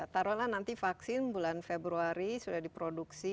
taruh lah nanti vaksin bulan februari sudah diproduksi